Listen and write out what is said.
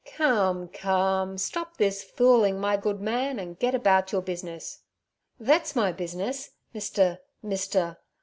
'Come, come! stop this fooling, my good man, and get about your business.' 'Thet's my business, Mr.—Mr.